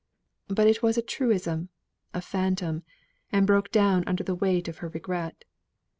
But it was a truism, a phantom, and broke down under the weight of her regret.